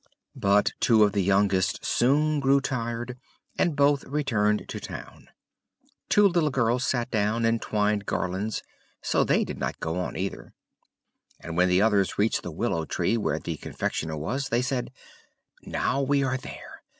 But two of the youngest soon grew tired, and both returned to town; two little girls sat down, and twined garlands, so they did not go either; and when the others reached the willow tree, where the confectioner was, they said, "Now we are there!